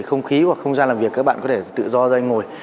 không khí hoặc không gian làm việc các bạn có thể tự do ra đây ngồi